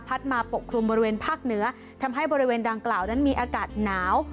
มาปกคลุมบริเวณภาคเหนือทำให้บริเวณดังกล่าวนั้นมีอากาศหนาว